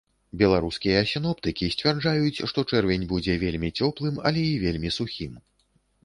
Беларускія сіноптыкі сцвярджаюць, што чэрвень будзе вельмі цёплым, але і вельмі сухім.